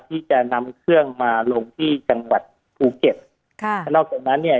ที่จะนำเครื่องมาลงที่จังหวัดภูเก็ตค่ะแล้วนอกจากนั้นเนี่ย